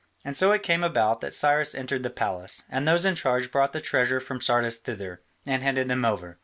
And so it came about that Cyrus entered the palace, and those in charge brought the treasures from Sardis thither, and handed them over.